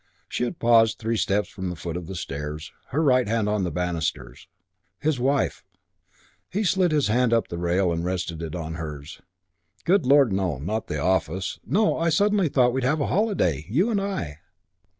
She had paused three steps from the foot of the stairs, her right hand on the banisters. His wife!... He slid his hand up the rail and rested it on hers. "Good lord, no. Not the office. No, I suddenly thought we'd have a holiday. You and I."